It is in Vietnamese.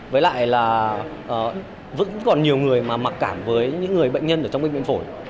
với lại là vẫn còn nhiều người mà mặc cảm với những người bệnh nhân ở trong bệnh viện phổi